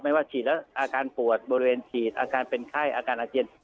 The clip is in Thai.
ว่าฉีดแล้วอาการปวดบริเวณฉีดอาการเป็นไข้อาการอาเจียน